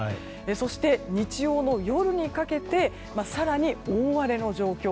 そして、日曜の夜にかけて更に大荒れの状況。